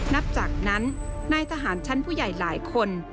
นับจากนั้นนายทหารชั้นผู้ใหญ่หลายคน